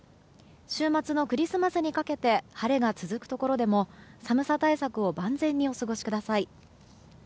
週末のクリスマスにかけて晴れが続くところでも寒さ対策を万全にお過ごしください。